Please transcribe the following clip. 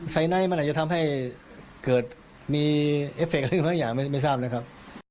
ไนท์มันอาจจะทำให้เกิดมีเอฟเคอะไรบางอย่างไม่ทราบนะครับ